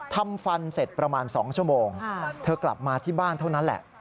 ทำฟันเสร็จประมาณ๒ชั่วโมงเธอกลับมาที่บ้านเท่านั้นแหละ